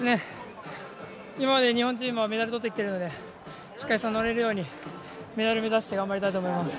今まで日本チームはメダルとってきてるのでしっかり、そこに乗れるようにメダル目指して頑張りたいと思います。